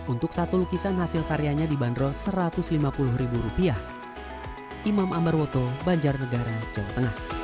untuk satu lukisan hasil karyanya dibanderol rp satu ratus lima puluh